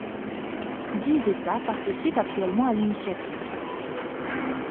Dix états participent actuellement à l’initiative.